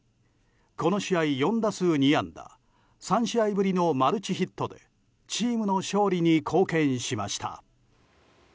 この試合４打数２安打３試合ぶりのマルチヒットでチームの勝利に貢献しました。